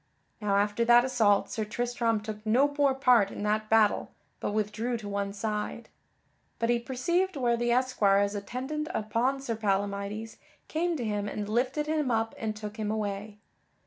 Now after that assault Sir Tristram took no more part in that battle but withdrew to one side. But he perceived where the esquires attendant upon Sir Palamydes came to him and lifted him up and took him away.